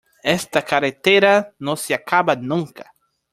Esta carretera no se acaba nunca.